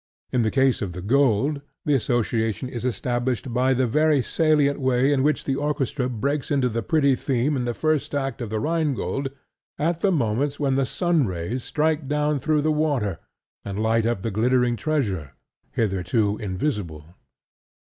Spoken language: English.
In the case of the gold the association is established by the very salient way in which the orchestra breaks into the pretty theme in the first act of The Rhine Gold at the moment when the sunrays strike down through the water and light up the glittering treasure, hitherto invisible.